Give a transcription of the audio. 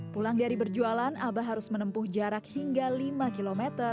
pulang dari berjualan abah harus menempuh jarak hingga lima km